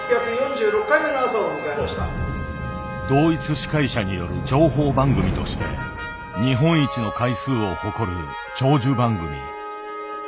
同一司会者による情報番組として日本一の回数を誇る長寿番組。